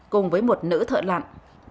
cùng với một nữ thợ lặn